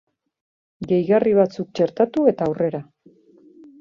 Gehigarri batzuk txertatu eta aurrera!